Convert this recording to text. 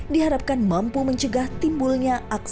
diharapkan mampu mencegah timbulnya aksi anarkis